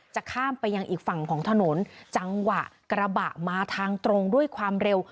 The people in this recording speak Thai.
จะข้ามไปยังอีกฝั่งของถนนจังหวะกระบะมาทางตรงด้วยความเร็ว